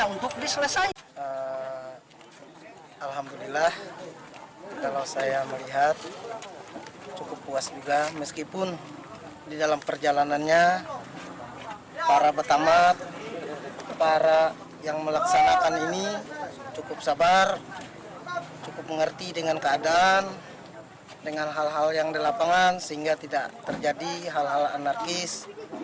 alhamdulillah kalau saya melihat cukup puas juga meskipun di dalam perjalanannya para batamat para yang melaksanakan ini cukup sabar cukup mengerti dengan keadaan dengan hal hal yang dilapangan sehingga tidak terjadi hal hal anarkis